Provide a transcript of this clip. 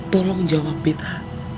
tolong jawab betap